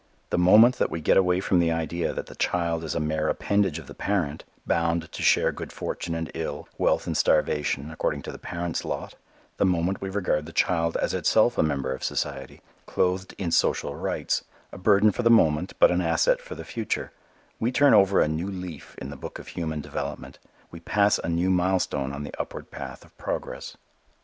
The moment that we get away from the idea that the child is a mere appendage of the parent, bound to share good fortune and ill, wealth and starvation, according to the parent's lot, the moment we regard the child as itself a member of society clothed in social rights a burden for the moment but an asset for the future we turn over a new leaf in the book of human development, we pass a new milestone on the upward path of progress.